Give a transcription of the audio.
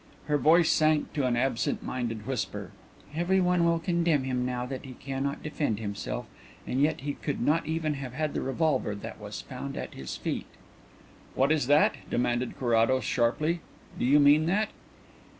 Her voice sank to an absent minded whisper. "Everyone will condemn him now that he cannot defend himself, and yet he could not even have had the revolver that was found at his feet." "What is that?" demanded Carrados sharply. "Do you mean that?"